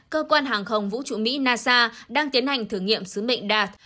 cơ quan hàng không vũ trụ mỹ nasa đang tiến hành thử nghiệm sứ mệnh đạt